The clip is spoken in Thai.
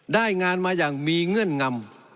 ได้งานมาอย่างมีเงื่อนงำ